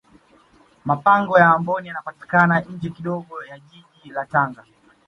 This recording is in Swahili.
mapango ya amboni yanapatikana nje kidogo ya jiji la tanga